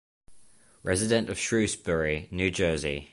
Resident of Shrewsbury, New Jersey.